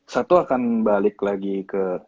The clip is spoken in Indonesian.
satu akan balik lagi ke